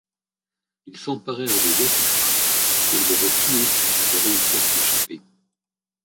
Ils s’emparèrent de Yattufât et l’auraient tué s’il n’avait réussi à leur échapper.